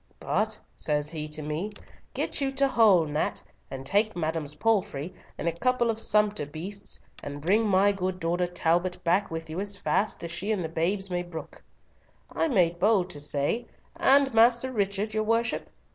'But,' says he to me, 'get you to Hull, Nat, and take madam's palfrey and a couple of sumpter beasts, and bring my good daughter Talbot back with you as fast as she and the babes may brook.' I made bold to say, 'And Master Richard, your worship?'